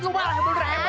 nah kayak anak kecil aja